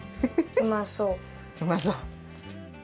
うまそう。